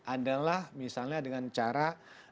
adalah misalnya dengan cara